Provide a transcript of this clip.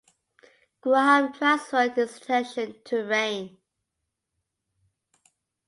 Graham transferred his attention to Rain.